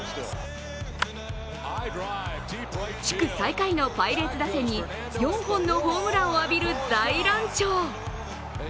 地区最下位のパイレーツ打線に４本のホームランを浴びる大乱調。